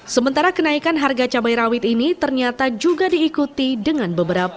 sementara kenaikan harga cabai rawit ini ternyata juga diikuti dengan beberapa